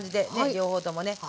両方ともね少し。